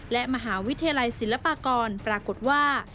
และมหาวิทยาลัยศิลปากรปรากฏว่า